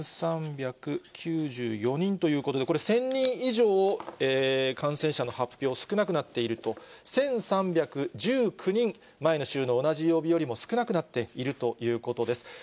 ５３９４人ということで、これ、１０００人以上、感染者の発表、少なくなっていると、１３１９人、前の週の同じ曜日よりも少なくなっているということです。